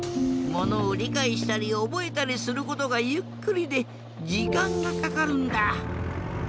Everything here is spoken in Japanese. ものをりかいしたりおぼえたりすることがゆっくりでじかんがかかるんだ。